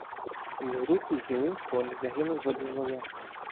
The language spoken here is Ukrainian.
З групи Зілинського не загинув жоден вояк.